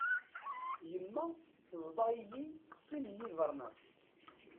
Yemma teẓḍa-iyi sin n yibernyas.